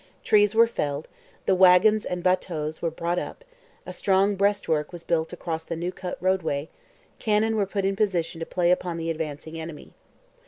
Trees were felled; the wagons and bateaux were brought up; a strong breastwork was built across the new cut roadway; cannon were put in position to play upon the advancing enemy.